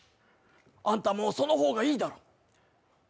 あんたもその方がいいだろう。